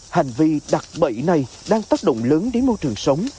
hành vi đặt bẫy này đang tác động lớn đến môi trường sống